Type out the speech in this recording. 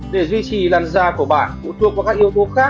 để duy trì đàn da của bạn uống thuốc và các yếu tố khác